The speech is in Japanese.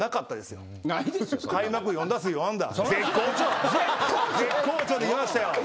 絶好調でいましたよ。